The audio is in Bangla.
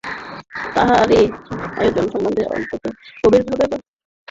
তাহারই আয়োজন সম্বন্ধে অত্যন্ত গম্ভীরভাবে ব্যস্ত হইয়া আশু তাহার ভগিনীকে উপদেশ দিতেছিল।